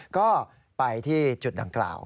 ก็ไปที่จุดดังกล่าว